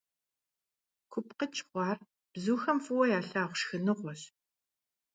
КупкъыкӀ хъуар бзухэм фӀыуэ ялъагъу шхыныгъуэщ.